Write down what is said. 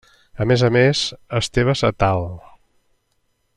A més a més, Esteves et al.